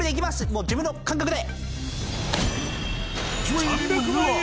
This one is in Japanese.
もう自分の感覚で。